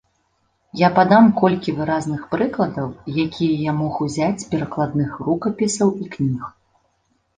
Я падам колькі выразных прыкладаў, якія я мог узяць з перакладных рукапісаў і кніг.